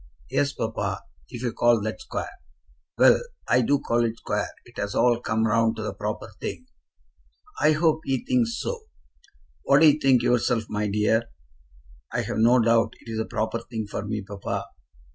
"Yes, papa; if you call that square." "Well; I do call it square. It has all come round to the proper thing." "I hope he thinks so." "What do you think yourself, my dear?" "I've no doubt it's the proper thing for me, papa."